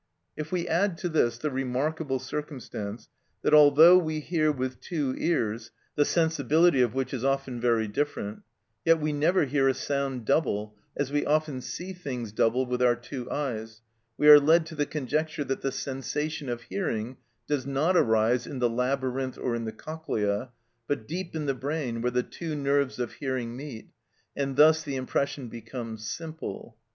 If we add to this the remarkable circumstance that although we hear with two ears, the sensibility of which is often very different, yet we never hear a sound double, as we often see things double with our two eyes, we are led to the conjecture that the sensation of hearing does not arise in the labyrinth or in the cochlea, but deep in the brain where the two nerves of hearing meet, and thus the impression becomes simple.